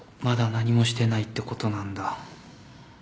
まだ何もしてないってことなんだ。